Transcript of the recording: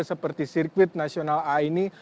seperti sirkuit nasional a ini